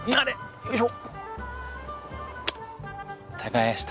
よいしょ。